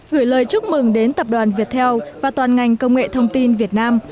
gửi lời chúc mừng đến tập đoàn viettel và toàn ngành công nghệ thông tin việt nam